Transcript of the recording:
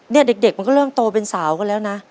เด็กมันก็เริ่มโตเป็นสาวกันแล้วนะ